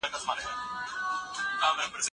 هغه د مرکې په جریان کې ډېر ارام و.